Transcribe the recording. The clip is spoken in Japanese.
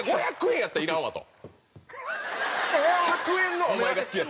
１００円のお前が好きやった。